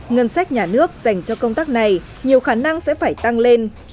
ngân sách nhà nước dành cho công tác này nhiều khả năng sẽ phải tăng lên